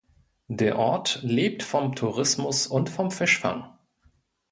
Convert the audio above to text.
Der Ort lebt vom Tourismus und vom Fischfang.